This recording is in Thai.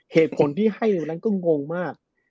เหตุผลที่ให้ก็งงมาก